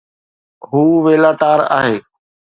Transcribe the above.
هو ويلا ٽار آهي